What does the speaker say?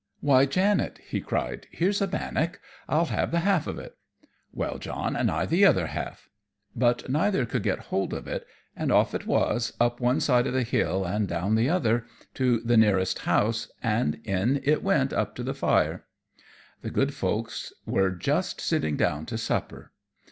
"Why, Janet," he cried, "here's a bannock. I'll have the half of't." "Well, John, and I the other half." But neither could get hold of it, and off it was, up one side of the hill and down the other, to the nearest house, and in it went up to the fire. The good folks were just sitting down to supper.